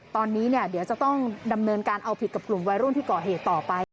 ตอนนี้เดี๋ยวจะต้องดำเนินการเอาผิดกับกลุ่มวัยรุ่นที่ก่อเหตุต่อไป